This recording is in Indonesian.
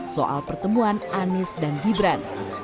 soal pertemuan anies dan gibran